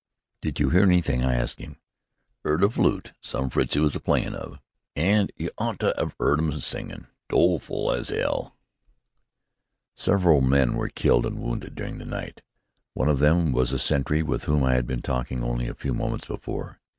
"Did you hear anything?" I asked him. "'Eard a flute some Fritzie was a playin' of. An' you ought to 'ave 'eard 'em a singin'! Doleful as 'ell!" Several men were killed and wounded during the night. One of them was a sentry with whom I had been talking only a few moments before.